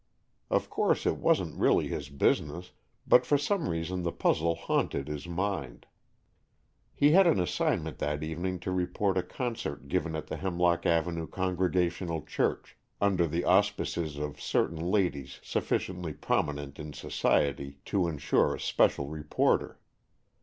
Of course it wasn't really his business, but for some reason the puzzle haunted his mind. He had an assignment that evening to report a concert given at the Hemlock Avenue Congregational Church, under the auspices of certain ladies sufficiently prominent in society to ensure a special reporter.